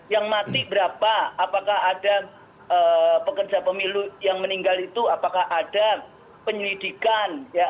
yang mati berapa apakah ada pekerja pemilu yang meninggal itu apakah ada penyelidikan